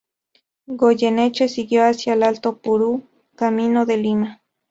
Goyeneche siguió hacia el Alto Perú, camino de Lima.